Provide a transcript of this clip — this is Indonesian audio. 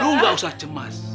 lu gak usah cemas